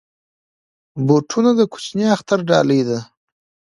بوټونه د کوچني اختر ډالۍ ده.